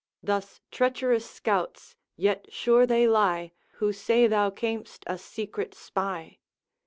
Thus treacherous scouts, yet sure they lie Who say thou cam'st a secret spy!'